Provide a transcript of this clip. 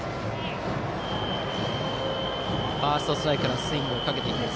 ファーストストライクからスイングをかけていきます。